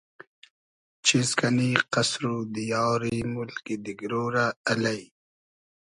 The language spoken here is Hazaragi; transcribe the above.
چیز کئنی قئسر و دیاری مولگی دیگرۉ رۂ الݷ